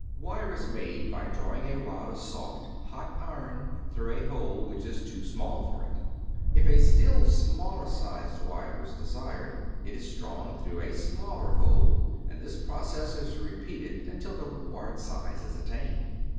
Wire is made by drawing a rod of soft, hot iron through a hole which is too small for it. If a still smaller sized wire is desired, it is drawn through a smaller hole, and this process is repeated until the required size is attained.